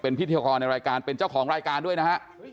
พิธีกรในรายการเป็นเจ้าของรายการด้วยนะฮะ